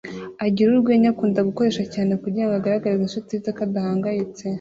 Agira urwenya akunda gukoresha cyane kugira ngo agaragarize incuti ze ko adahangayitse